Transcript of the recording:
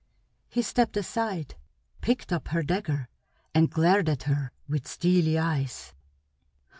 He stepped aside, picked up her dagger, and glared at her with steely eyes.